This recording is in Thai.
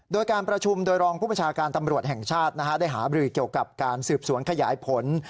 โดยการประชุมโดยรองผู้ประชาการตำรวจแห่งชาติได้หาบรือเกี่ยวกับการสืบสวนขยายผล